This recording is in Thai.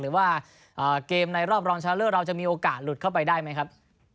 หรือว่าเกมในรอบรองชนะเลิศเราจะมีโอกาสหลุดเข้าไปได้ไหมครับ